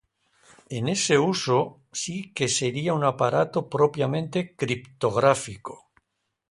En ese uso, sí que sería un aparato propiamente criptográfico.